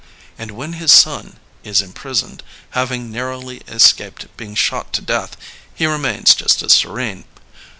'* And when his son is imprisoned, hav ing narrowly escaped being shot to death, he re mains just as serene.